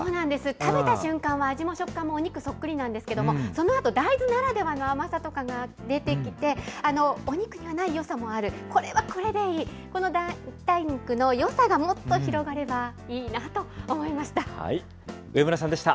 食べた瞬間は味も食感もお肉そっくりなんですけれども、そのあと、大豆ならではの甘さとかが出てきて、お肉にはないよさもある、これはこれでいい、この代替肉のよさがもっと上村さんでした。